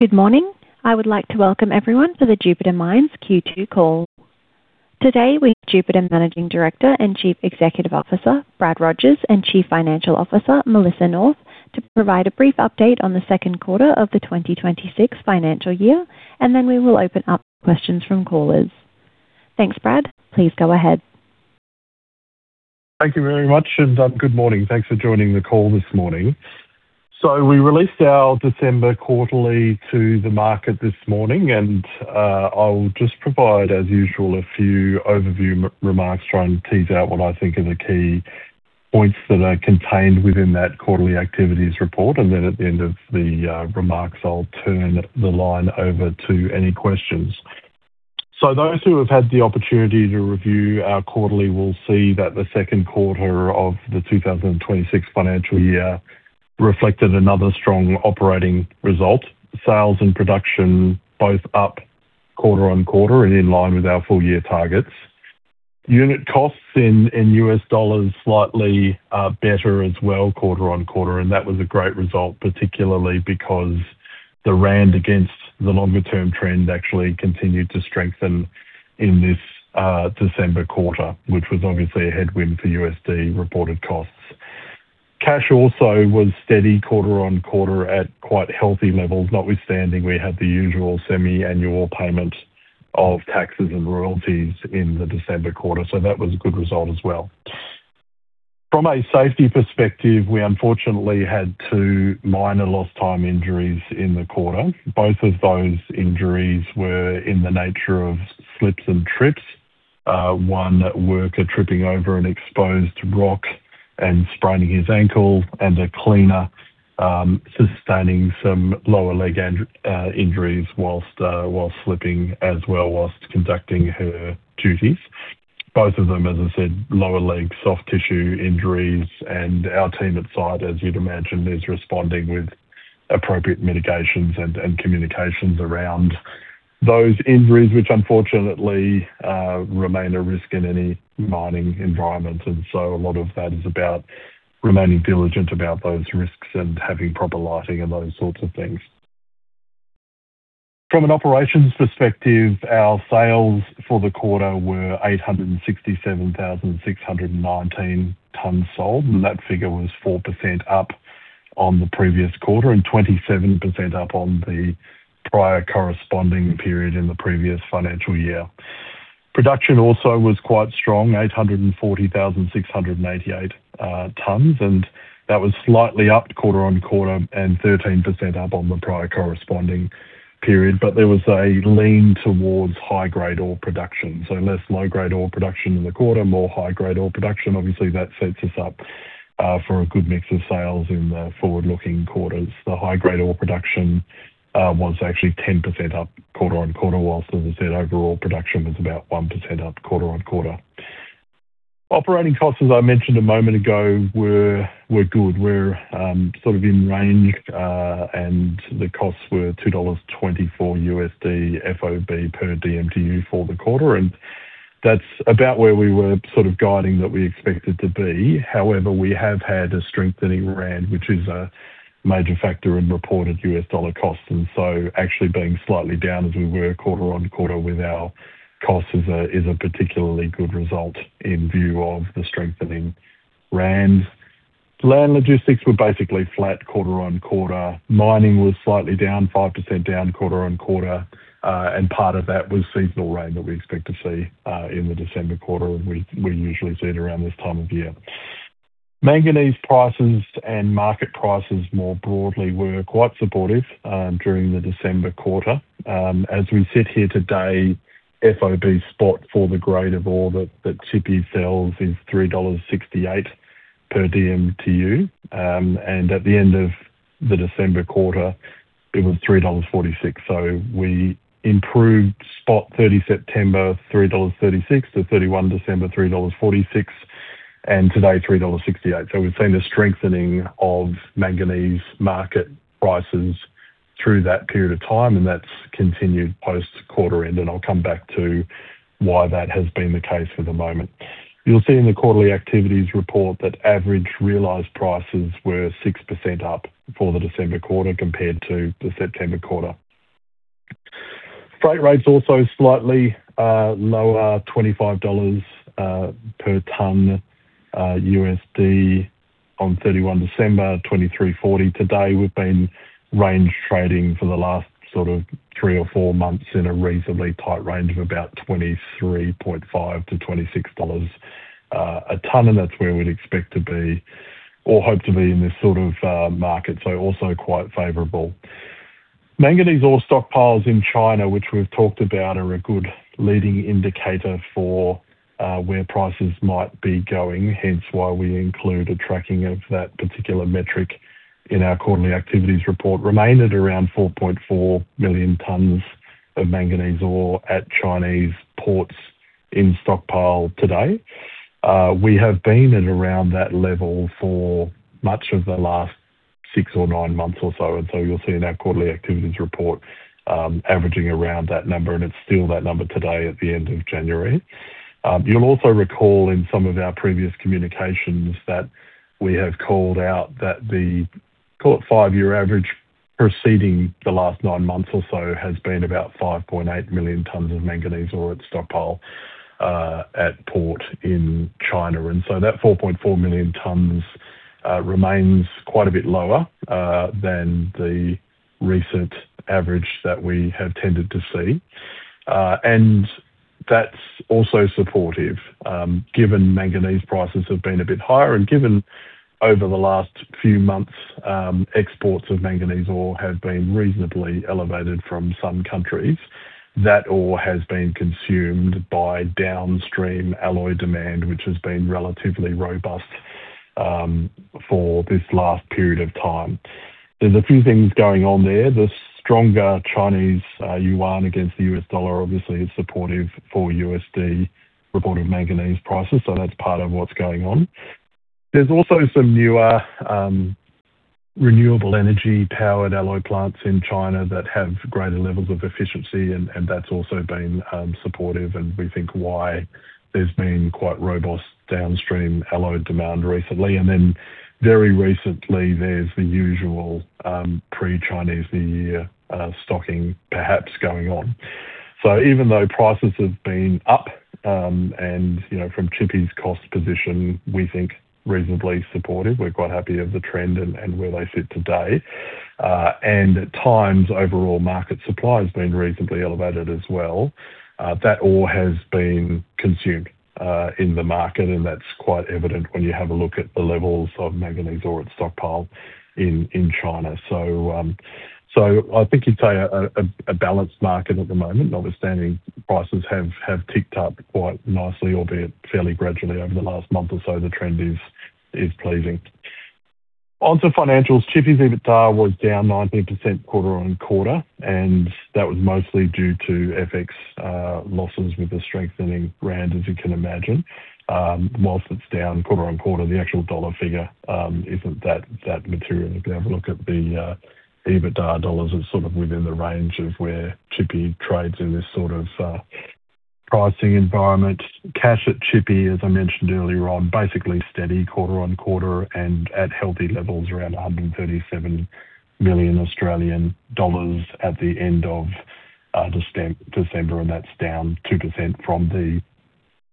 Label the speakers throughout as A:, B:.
A: Good morning. I would like to welcome everyone for the Jupiter Mines Q2 call. Today, we have Jupiter Managing Director and Chief Executive Officer, Brad Rogers, and Chief Financial Officer, Melissa North, to provide a brief update on the second quarter of the 2026 financial year, and then we will open up to questions from callers. Thanks, Brad. Please go ahead.
B: Thank you very much, and, good morning. Thanks for joining the call this morning. So we released our December quarterly to the market this morning, and, I'll just provide, as usual, a few overview remarks, try and tease out what I think are the key points that are contained within that quarterly activities report. And then at the end of the, remarks, I'll turn the line over to any questions. So those who have had the opportunity to review our quarterly will see that the second quarter of the 2026 financial year reflected another strong operating result. Sales and production both up quarter-on-quarter and in line with our full-year targets. Unit costs in U.S. dollars slightly better as well, quarter-over-quarter, and that was a great result, particularly because the rand, against the longer-term trend, actually continued to strengthen in this December quarter, which was obviously a headwind for USD reported costs. Cash also was steady quarter-over-quarter at quite healthy levels, notwithstanding we had the usual semi-annual payment of taxes and royalties in the December quarter, so that was a good result as well. From a safety perspective, we unfortunately had two minor lost time injuries in the quarter. Both of those injuries were in the nature of slips and trips. One worker tripping over an exposed rock and spraining his ankle and a cleaner sustaining some lower leg injuries whilst slipping as well whilst conducting her duties. Both of them, as I said, lower leg, soft tissue injuries, and our team at site, as you'd imagine, is responding with appropriate mitigations and communications around those injuries, which unfortunately remain a risk in any mining environment. So a lot of that is about remaining diligent about those risks and having proper lighting and those sorts of things. From an operations perspective, our sales for the quarter were 867,619 tons sold, and that figure was 4% up on the previous quarter and 27% up on the prior corresponding period in the previous financial year. Production also was quite strong, 840,688 tons, and that was slightly up quarter-over-quarter and 13% up on the prior corresponding period. But there was a lean towards high-grade ore production, so less low-grade ore production in the quarter, more high-grade ore production. Obviously, that sets us up for a good mix of sales in the forward-looking quarters. The high-grade ore production was actually 10% up quarter-on-quarter, while, as I said, overall production was about 1% up quarter-on-quarter. Operating costs, as I mentioned a moment ago, were good. We're sort of in range, and the costs were $2.24 USD FOB per dmtu for the quarter, and that's about where we were sort of guiding that we expected to be. However, we have had a strengthening rand, which is a major factor in reported U.S. dollar costs, and so actually being slightly down as we were quarter-over-quarter with our costs is a particularly good result in view of the strengthening rand. Land logistics were basically flat quarter-over-quarter. Mining was slightly down, 5% down quarter-over-quarter, and part of that was seasonal rain that we expect to see in the December quarter, and we usually see it around this time of year. Manganese prices and market prices more broadly were quite supportive during the December quarter. As we sit here today, FOB spot for the grade of ore that Tshipi sells is $3.68 per dmtu. And at the end of the December quarter, it was $3.46. We improved spot 30 September $3.36 to 31 December $3.46, and today $3.68. We've seen a strengthening of manganese market prices through that period of time, and that's continued post-quarter end, and I'll come back to why that has been the case in a moment. You'll see in the quarterly activities report that average realized prices were 6% up for the December quarter compared to the September quarter. Freight rates also slightly lower, $25 USD per ton on 31 December $23.40. Today, we've been range trading for the last sort of three or four months in a reasonably tight range of about $23.5-$26 a ton, and that's where we'd expect to be or hope to be in this sort of market. So also quite favorable. Manganese ore stockpiles in China, which we've talked about, are a good leading indicator for where prices might be going, hence why we include a tracking of that particular metric in our quarterly activities report, remained at around 4.4 million tons of manganese ore at Chinese ports in stockpile today. We have been at around that level for much of the last 6 or 9 months or so, and so you'll see in our quarterly activities report, averaging around that number, and it's still that number today at the end of January. You'll also recall in some of our previous communications that we have called out that the, call it, 5-year average preceding the last 9 months or so has been about 5.8 million tons of manganese ore at stockpile at port in China. And so that 4.4 million tons remains quite a bit lower than the recent average that we have tended to see. And that's also supportive, given manganese prices have been a bit higher and given over the last few months, exports of manganese ore have been reasonably elevated from some countries. That ore has been consumed by downstream alloy demand, which has been relatively robust, for this last period of time. There's a few things going on there. The stronger Chinese yuan against the U.S. dollar obviously is supportive for USD reported manganese prices, so that's part of what's going on. There's also some newer, renewable energy-powered alloy plants in China that have greater levels of efficiency, and that's also been supportive, and we think why there's been quite robust downstream alloy demand recently. And then, very recently, there's the usual, pre-Chinese New Year, stocking perhaps going on. So even though prices have been up, and, you know, from Tshipi's cost position, we think reasonably supportive, we're quite happy of the trend and, and where they sit today. And at times, overall market supply has been reasonably elevated as well. That ore has been consumed, in the market, and that's quite evident when you have a look at the levels of manganese ore at stockpile in China. So, so I think you'd say a balanced market at the moment, notwithstanding prices have ticked up quite nicely, albeit fairly gradually over the last month or so. The trend is pleasing. On to financials, Tshipi's EBITDA was down 19% quarter-on-quarter, and that was mostly due to FX losses with the strengthening rand, as you can imagine. Whilst it's down quarter-on-quarter, the actual dollar figure isn't that material. If you have a look at the EBITDA dollars, it's sort of within the range of where Tshipi trades in this sort of pricing environment. Cash at Tshipi, as I mentioned earlier on, basically steady quarter-on-quarter and at healthy levels around 137 million Australian dollars at the end of December, and that's down 2%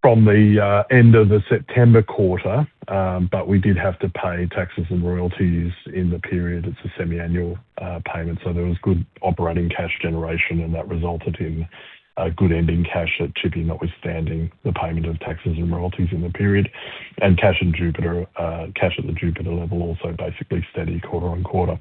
B: from the end of the September quarter. But we did have to pay taxes and royalties in the period. It's a semiannual payment, so there was good operating cash generation, and that resulted in a good ending cash at Tshipi, notwithstanding the payment of taxes and royalties in the period. Cash in Jupiter, cash at the Jupiter level also basically steady quarter-on-quarter.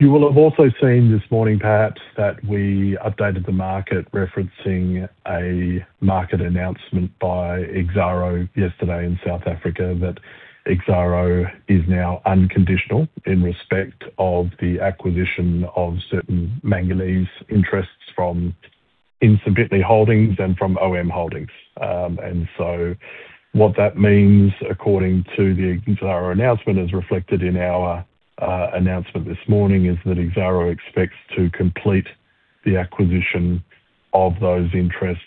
B: You will have also seen this morning, perhaps, that we updated the market, referencing a market announcement by Exxaro yesterday in South Africa, that Exxaro is now unconditional in respect of the acquisition of certain manganese interests from Ntsimbintle Holdings and from OM Holdings. And so what that means, according to the Exxaro announcement, as reflected in our announcement this morning, is that Exxaro expects to complete the acquisition of those interests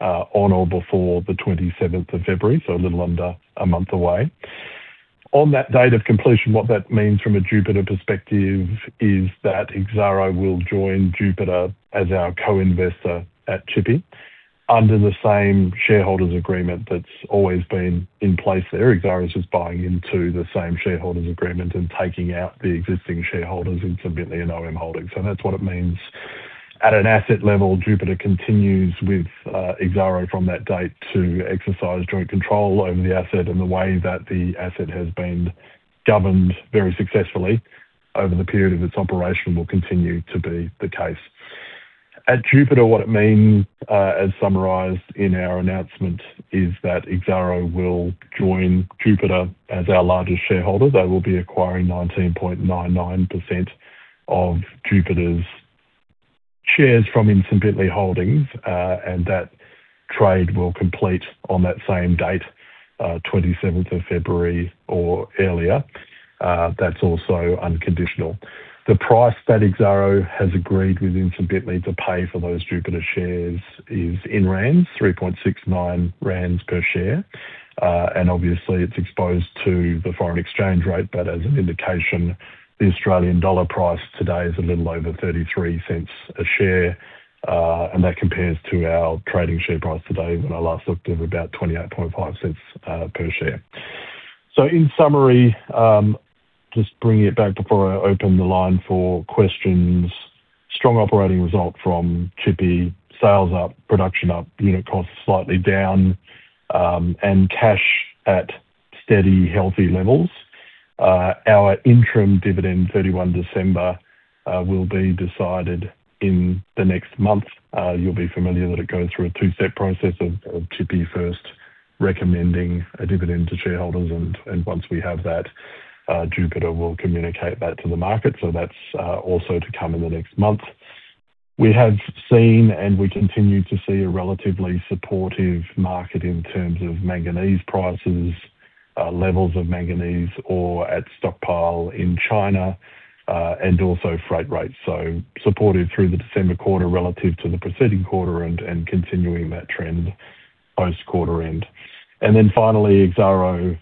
B: on or before the 27th of February, so a little under a month away. On that date of completion, what that means from a Jupiter perspective is that Exxaro will join Jupiter as our co-investor at Tshipi under the same shareholders' agreement that's always been in place there. Exxaro is just buying into the same shareholders' agreement and taking out the existing shareholders in Ntsimbintle and OM Holdings, and that's what it means. At an asset level, Jupiter continues with Exxaro from that date to exercise joint control over the asset, and the way that the asset has been governed very successfully over the period of its operation will continue to be the case. At Jupiter, what it means, as summarized in our announcement, is that Exxaro will join Jupiter as our largest shareholder. They will be acquiring 19.99% of Jupiter's shares from Ntsimbintle Holdings, and that trade will complete on that same date, 27th of February or earlier. That's also unconditional. The price that Exxaro has agreed with Ntsimbintle to pay for those Jupiter shares is in rands, 3.69 rand per share. And obviously, it's exposed to the foreign exchange rate, but as an indication, the Australian dollar price today is a little over 0.33 per share. And that compares to our trading share price today, when I last looked, of about 0.285 per share. So in summary, just bringing it back before I open the line for questions. Strong operating result from Tshipi. Sales up, production up, unit costs slightly down, and cash at steady, healthy levels. Our interim dividend, 31 December, will be decided in the next month. You'll be familiar that it goes through a two-step process of Tshipi first recommending a dividend to shareholders, and once we have that, Jupiter will communicate that to the market. So that's also to come in the next month. We have seen, and we continue to see a relatively supportive market in terms of manganese prices, levels of manganese ore at stockpile in China, and also freight rates. So supportive through the December quarter relative to the preceding quarter and continuing that trend post-quarter end. Then finally, Exxaro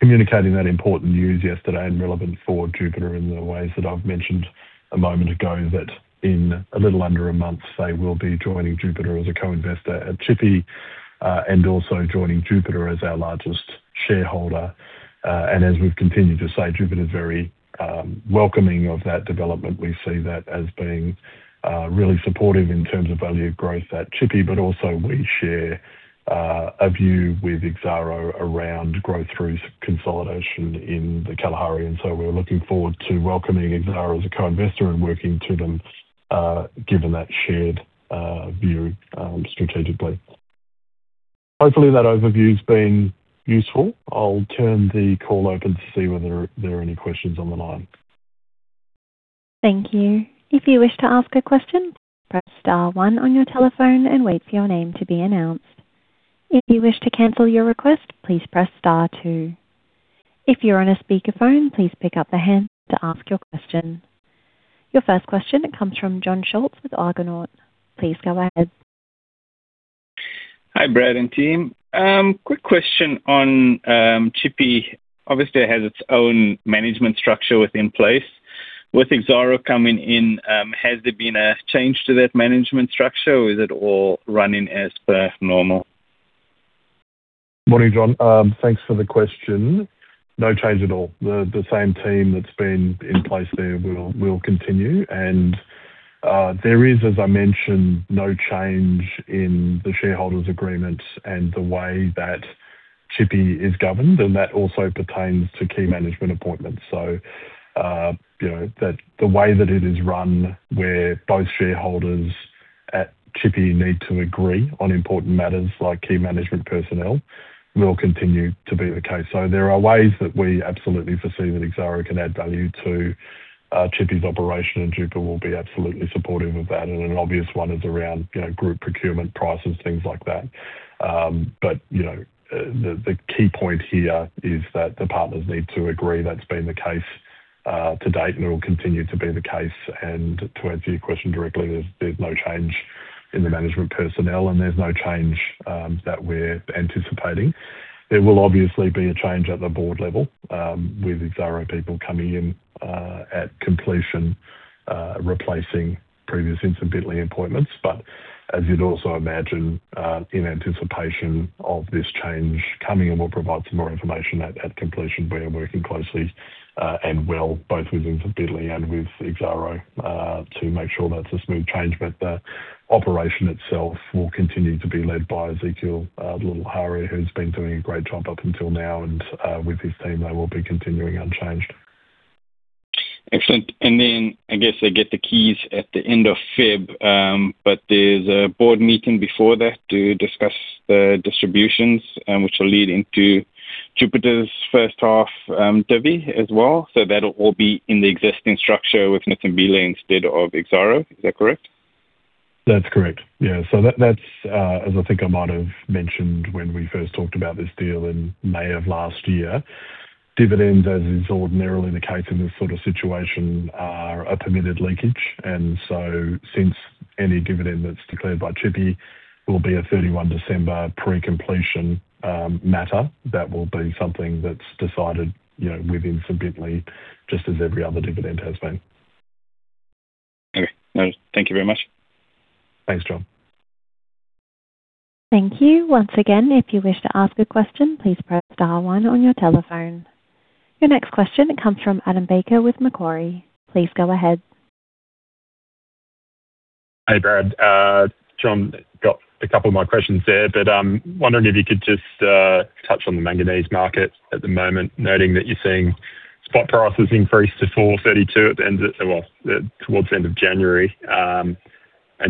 B: communicating that important news yesterday and relevant for Jupiter in the ways that I've mentioned a moment ago, that in a little under a month they will be joining Jupiter as a co-investor at Tshipi, and also joining Jupiter as our largest shareholder. And as we've continued to say, Jupiter is very welcoming of that development. We see that as being really supportive in terms of value growth at Tshipi, but also we share a view with Exxaro around growth through consolidation in the Kalahari, and so we're looking forward to welcoming Exxaro as a co-investor and working to them, given that shared view strategically. Hopefully, that overview has been useful. I'll turn the call open to see whether there are any questions on the line.
A: Thank you. If you wish to ask a question, press star one on your telephone and wait for your name to be announced. If you wish to cancel your request, please press star two. If you're on a speakerphone, please pick up the handset to ask your question. Your first question comes from Jon Scholtz with Argonaut. Please go ahead.
C: Hi, Brad and team. Quick question on Tshipi. Obviously, it has its own management structure in place. With Exxaro coming in, has there been a change to that management structure, or is it all running as per normal?
B: Morning, Jon. Thanks for the question. No change at all. The same team that's been in place there will continue. And there is, as I mentioned, no change in the shareholders' agreement and the way that Tshipi is governed, and that also pertains to key management appointments. So, you know, the way that it is run, where both shareholders at Tshipi need to agree on important matters like key management personnel, will continue to be the case. So there are ways that we absolutely foresee that Exxaro can add value to Tshipi's operation, and Jupiter will be absolutely supportive of that. And an obvious one is around, you know, group procurement prices, things like that. But, you know, the key point here is that the partners need to agree. That's been the case, to date, and it will continue to be the case. And to answer your question directly, there's no change in the management personnel, and there's no change that we're anticipating. There will obviously be a change at the board level, with Exxaro people coming in, at completion, replacing previous Ntsimbintle appointments. But as you'd also imagine, in anticipation of this change coming, and we'll provide some more information at completion, we are working closely and well, both with Ntsimbintle and with Exxaro, to make sure that's a smooth change. But the operation itself will continue to be led by Ezekiel Lotlhare, who's been doing a great job up until now, and with his team, they will be continuing unchanged.
C: Excellent. And then, I guess they get the keys at the end of February, but there's a board meeting before that to discuss the distributions, which will lead into Jupiter's first half, divvy as well. So that'll all be in the existing structure with Ntsimbintle instead of Exxaro. Is that correct?
B: That's correct. Yeah. So that, that's, as I think I might have mentioned when we first talked about this deal in May of last year. Dividends, as is ordinarily the case in this sort of situation, are a permitted leakage, and so since any dividend that's declared by Tshipi will be a thirty-one December pre-completion, matter, that will be something that's decided, you know, within Ntsimbintle, just as every other dividend has been.
C: Okay. No, thank you very much.
B: Thanks, Jon.
A: Thank you. Once again, if you wish to ask a question, please press star one on your telephone. Your next question comes from Adam Baker with Macquarie. Please go ahead.
D: Hi, Brad. Jon got a couple of my questions there, but wondering if you could just touch on the manganese market at the moment, noting that you're seeing spot prices increase to $432 at the end of... Well, towards the end of January, and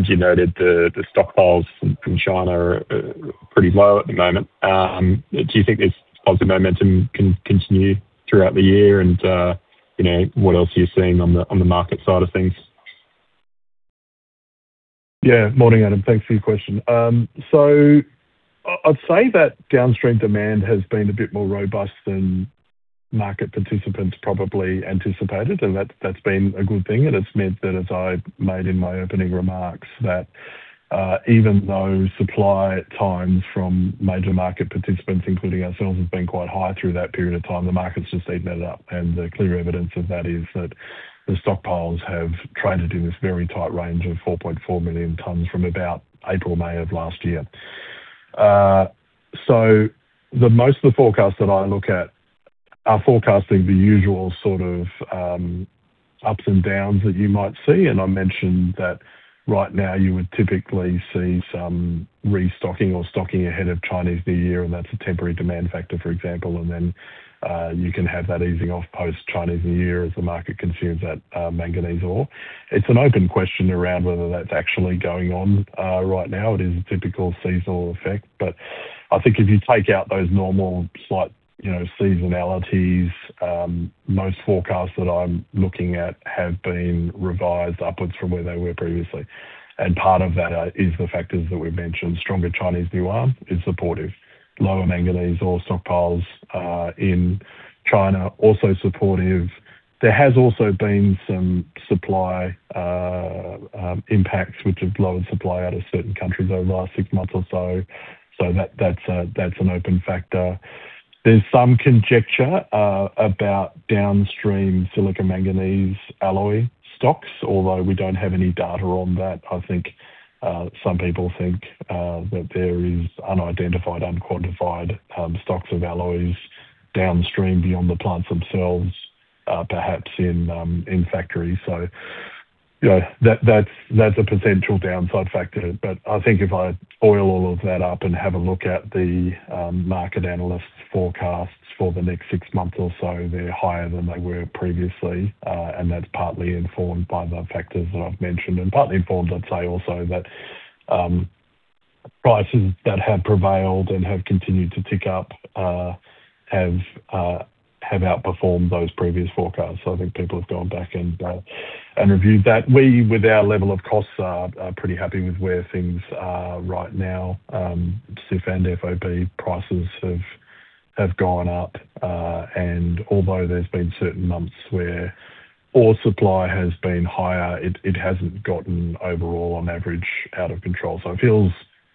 D: you noted the stockpiles from China are pretty low at the moment. Do you think this positive momentum can continue throughout the year? And you know, what else are you seeing on the market side of things?
B: Yeah. Morning, Adam. Thanks for your question. So I'd say that downstream demand has been a bit more robust than market participants probably anticipated, and that's, that's been a good thing. And it's meant that, as I made in my opening remarks, that even though supply times from major market participants, including ourselves, has been quite high through that period of time, the market's just eaten it up. And the clear evidence of that is that the stockpiles have tried to do this very tight range of 4.4 million tons from about April, May of last year. So the most of the forecasts that I look at are forecasting the usual sort of ups and downs that you might see. I mentioned that right now you would typically see some restocking or stocking ahead of Chinese New Year, and that's a temporary demand factor for example, and then you can have that easing off post-Chinese New Year as the market consumes that manganese ore. It's an open question around whether that's actually going on right now. It is a typical seasonal effect. I think if you take out those normal slight, you know, seasonalities, most forecasts that I'm looking at have been revised upwards from where they were previously. And part of that is the factors that we've mentioned. Stronger Chinese yuan is supportive. Lower manganese ore stockpiles in China also supportive. There has also been some supply impacts which have lowered supply out of certain countries over the last six months or so. So that's an open factor. There's some conjecture about downstream silica manganese alloy stocks, although we don't have any data on that. I think some people think that there is unidentified, unquantified stocks of alloys downstream beyond the plants themselves, perhaps in factories. So, you know, that's a potential downside factor. But I think if I boil all of that up and have a look at the market analysts' forecasts for the next six months or so, they're higher than they were previously, and that's partly informed by the factors that I've mentioned, and partly informed, I'd say also, that prices that have prevailed and have continued to tick up have outperformed those previous forecasts. So I think people have gone back and reviewed that. We, with our level of costs, are pretty happy with where things are right now. CIF and FOB prices have gone up, and although there's been certain months where ore supply has been higher, it hasn't gotten overall on average out of control. So it feels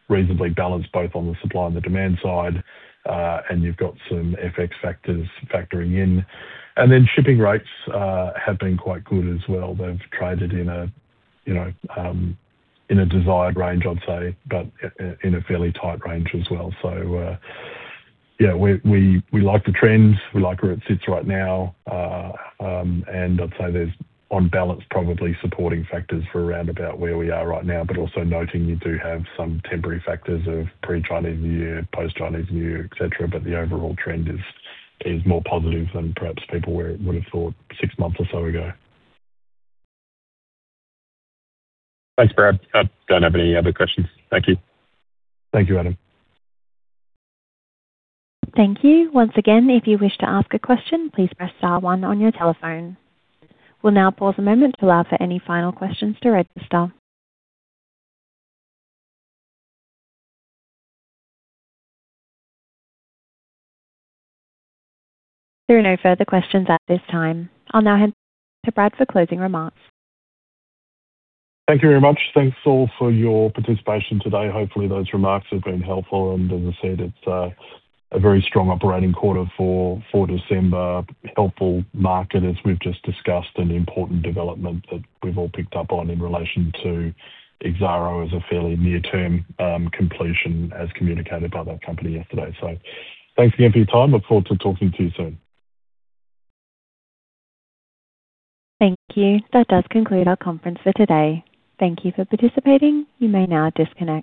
B: reasonably balanced both on the supply and the demand side, and you've got some FX factors factoring in. And then shipping rates have been quite good as well. They've traded in a you know in a desired range, I'd say, but in a fairly tight range as well. So, yeah, we like the trends. We like where it sits right now. I'd say there's on balance, probably supporting factors for around about where we are right now, but also noting you do have some temporary factors of pre-Chinese New Year, post-Chinese New Year, et cetera, but the overall trend is more positive than perhaps people would have thought six months or so ago.
D: Thanks, Brad. I don't have any other questions. Thank you.
B: Thank you, Adam.
A: Thank you. Once again, if you wish to ask a question, please press star one on your telephone. We'll now pause a moment to allow for any final questions to register. There are no further questions at this time. I'll now hand it to Brad for closing remarks.
B: Thank you very much. Thanks all for your participation today. Hopefully, those remarks have been helpful, and as I said, it's a very strong operating quarter for December. Helpful market, as we've just discussed, and important development that we've all picked up on in relation to Exxaro as a fairly near-term completion, as communicated by that company yesterday. So thanks again for your time. Look forward to talking to you soon.
A: Thank you. That does conclude our conference for today. Thank you for participating. You may now disconnect.